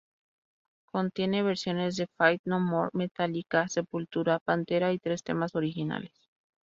Contiene versiones de Faith No More, Metallica, Sepultura, Pantera y tres temas originales.